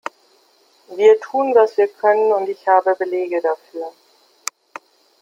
Wir tun, was wir können, und ich habe Belege dafür.